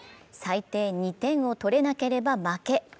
最低２点を取れなければ負け。